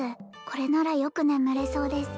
これならよく眠れそうです